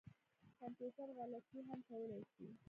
کمپیوټر غلطي هم کولای شي